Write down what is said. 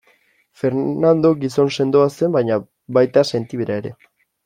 Fernando gizon sendoa zen baina baita sentibera ere.